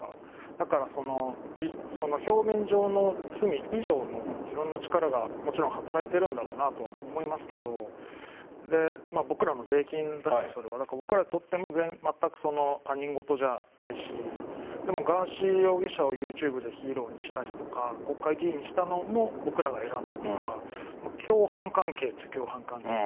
だから表面上の罪以上のいろんな力がもちろん働いているんだろうなとは思うけど僕らの税金だし僕らにとってもまったく他人事じゃないしでもガーシー容疑者をＹｏｕＴｕｂｅでヒーローにしたりとか国会議員にしたのも僕らが選んだから共犯関係っちゃ共犯関係。